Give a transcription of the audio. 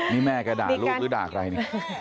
นี่แม่ก็ด่าลูกหรือด่ากัน